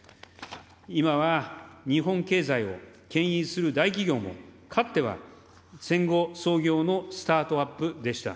今は日本経済をけん引する大企業も、かつては戦後創業のスタートアップでした。